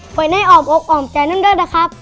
เผยในออมอกออมใจนั่นด้วยนะครับ